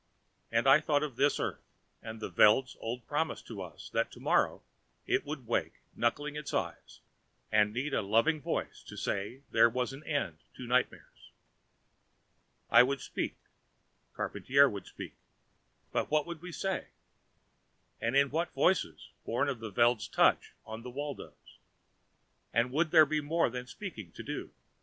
And I thought of this Earth, and the Veld's old promise to us that tomorrow it would wake knuckling its eyes, and need a loving voice to say there was an end to nightmares. I would speak and Charpantier would speak, but what would we say? And in what voices, born of the Veld's touch on the Waldos? And would there be more than speaking to do?